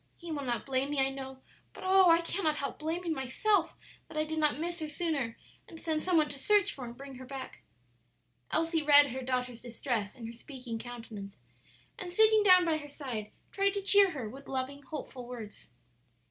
He will not blame me, I know, but oh, I cannot help blaming myself that I did not miss her sooner and send some one to search for and bring her back." Elsie read her daughter's distress in her speaking countenance, and sitting down by her side tried to cheer her with loving, hopeful words.